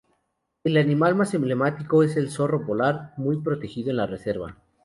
El animal más emblemático es el zorro polar, muy protegido en la reserva.